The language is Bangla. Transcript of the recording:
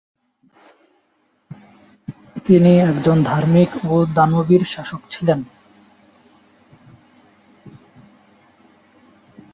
তিনি একজন ধার্মিক ও দানবীর শাসক ছিলেন।